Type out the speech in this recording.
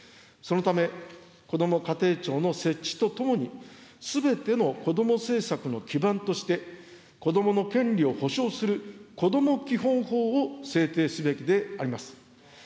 そのため、こども家庭庁の設置とともに、すべての子ども政策の基盤として、子どもの権利を保障する子ども基本法を制定すべきであります。